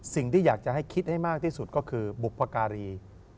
สิ่งที่อยากจะให้คิดให้มากที่สุดก็คือบุพการี